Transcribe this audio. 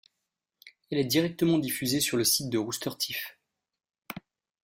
Elle est directement diffusée sur le site web de Rooster Teeth.